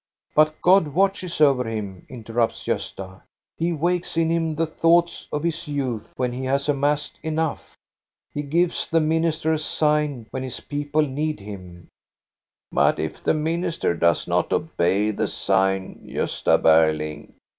"But God watches over him," interrupts Gosta. " He wakes in him the thoughts of his youth when he has amassed enough. He gives the minister a sign when His people need him." " But if the minister does not obey the sign, Gosta Berling?"